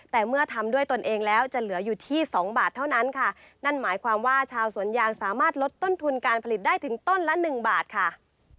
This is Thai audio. แต่เมื่อทำด้วยตนเองแล้วจะเหลืออยู่ที่สองบาทเท่านั้นค่ะนั่นหมายความว่าชาวสวนยางสามารถลดต้นทุนการผลิตได้ถึงต้นละหนึ่งบาทค่ะ